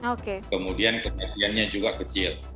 oke kemudian kematiannya juga kecil